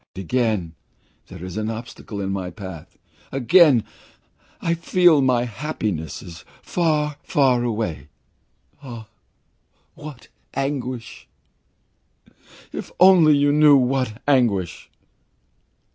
Again there is an obstacle in my path! Again I feel that my happiness is far, far away! Ah, what anguish! if only you knew what anguish!"